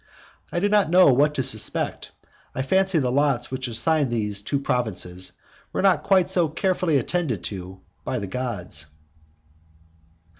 I do not know what to suspect. I fancy the lots which assigned these two provinces, were not quite so carefully attended to by the gods.